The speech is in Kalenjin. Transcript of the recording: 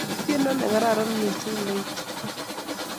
Tyondo ne kararan mising loitike